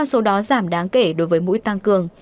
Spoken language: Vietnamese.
số đó giảm đáng kể đối với mũi tăng cường